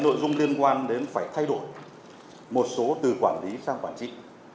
nội dung liên quan đến phải thay đổi một số từ quản lý sang quản trị